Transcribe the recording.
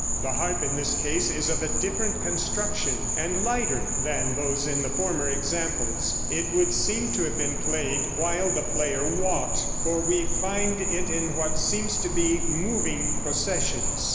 The harp in this case is of a different construction, and lighter than those in the former examples. It would seem to have been played while the player walked, for we find it in what seems to be moving processions.